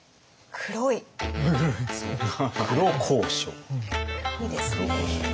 黒いですね。